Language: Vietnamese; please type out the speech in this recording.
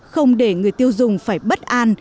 không để người tiêu dùng phải bất an